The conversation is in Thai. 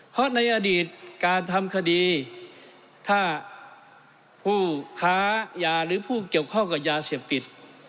เพราะในอดีตการทำคดีถ้าผู้ค้ายาหรือผู้เกี่ยวข้องกับยาเสพติด